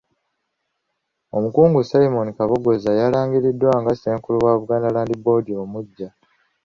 Omukungu Simon Kabogoza yalangiriddwa nga Ssenkulu wa Buganda Land Board omuggya.